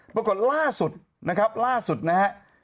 ปรากฏล่าสุดนะครับล่าสุดนะฮะ